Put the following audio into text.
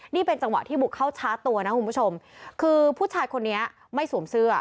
นี่เป็นจังหวะที่บุกเข้าชาร์จตัวนะคุณผู้ชมคือผู้ชายคนนี้ไม่สวมเสื้อ